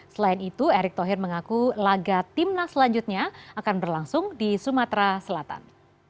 selain itu erick thohir mengaku laga timnas selanjutnya akan berlangsung di sumatera selatan